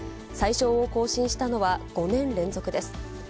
最少を更新したのは５年連続です。